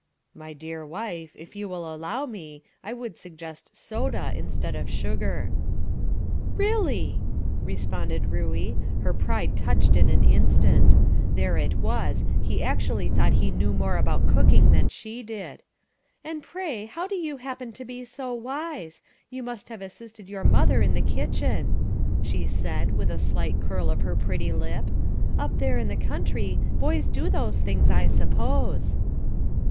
"My dear wife, if you will allow me, I would suggest soda instead of sugar." "Really!" responded Ruey, her pride touched in an instant there it was, he actually thought he knew more about cooking than she did "and pray how do you happen to be so wise? You must have assisted your mother in the kitchen," she said, with a slight curl of her pretty lip. "Up there in the country, boys do those things, I suppose."